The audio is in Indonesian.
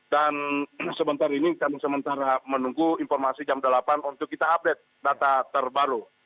dan sebentar ini kami sementara menunggu informasi jam delapan untuk kita update data terbaru